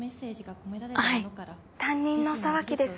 はい☎担任の沢木です